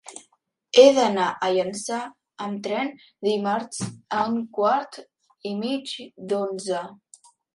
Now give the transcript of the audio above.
He d'anar a Llançà amb tren dimarts a un quart i mig d'onze.